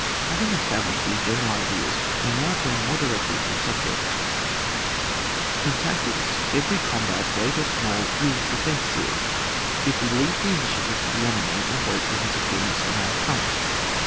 Having established these general ideas we now turn more directly to the sub ject In tactics every combat, g^eat or small, is defensive if we leave the initiative to the enemy, and wait for his appearance in our front.